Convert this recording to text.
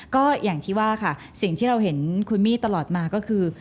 ก็อย่างที่ว่าค่ะสิ่งที่เราเห็นคุณมี่ตลอดมาก็คือ